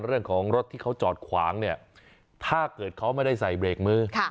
เรื่องของรถที่เขาจอดขวางเนี่ยถ้าเกิดเขาไม่ได้ใส่เบรกมือ